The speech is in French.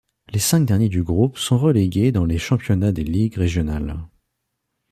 Les cinq derniers du groupe sont relégués dans les championnats des Ligues régionales.